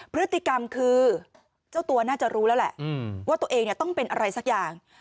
พฤติกรรมคือเจ้าตัวน่าจะรู้แล้วแหละว่าตัวเองต้องเป็นอะไรสักอย่าง